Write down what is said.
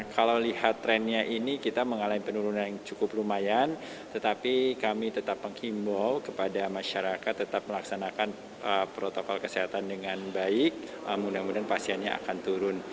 kalau lihat trennya ini kita mengalami penurunan yang cukup lumayan tetapi kami tetap menghimbau kepada masyarakat tetap melaksanakan protokol kesehatan dengan baik mudah mudahan pasiennya akan turun